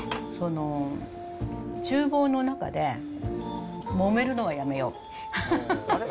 ちゅう房の中で、もめるのはやめよう。